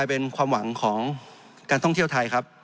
จริงโครงการนี้มันเป็นภาพสะท้อนของรัฐบาลชุดนี้ได้เลยนะครับ